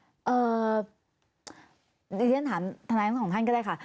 เดี๋ยวฉันถามทนายทั้งสองท่านก็ได้ค่ะ